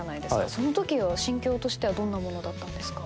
そのとき心境としてはどんなものだったんですか？